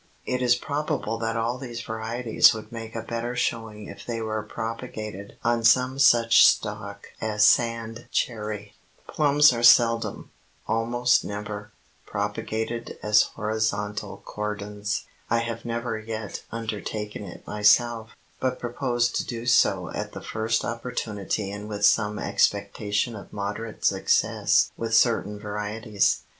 It is probable that all these varieties would make a better showing if they were propagated on some such stock as sand cherry. [Illustration: FIG. 37 BURBANK PLUMS ON UPRIGHT CORDONS TRAINED TO TRELLIS] Plums are seldom almost never propagated as horizontal cordons. I have never yet undertaken it myself, but propose to do so at the first opportunity and with some expectation of moderate success with certain varieties.